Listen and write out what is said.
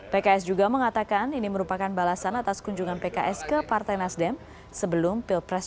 pks juga mengatakan ini merupakan balasan atas kunjungan pks ke partai nasdem sebelum pilpres dua ribu sembilan belas